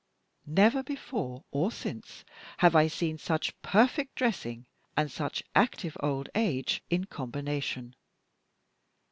Never before or since have I seen such perfect dressing and such active old age in combination.